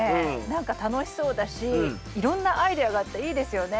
何か楽しそうだしいろんなアイデアがあっていいですよね。